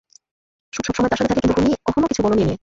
শুটু সবসময় তার সাথে থাকে, কিন্তু তুমি কখনও কিছু বলোনি এই নিয়ে!